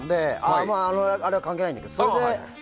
あれは関係ないんだけど。